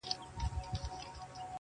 o زه چي لـه چــــا سـره خبـري كـوم.